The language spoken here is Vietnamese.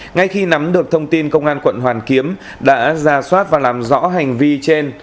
ngay khi nắm được thông tin công an quận hoàn kiếm đã ra soát và làm rõ hành vi trên